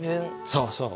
そうそう。